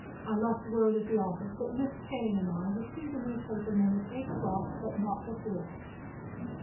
I left word at the office that Miss Kane and I would see the newspaper men at eight o'clock, but not before."